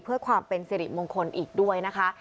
เพื่อความเป็นสิริมงคลอีกด้วยนะคะ